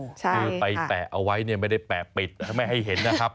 คือไปแปะเอาไว้เนี่ยไม่ได้แปะปิดไม่ให้เห็นนะครับ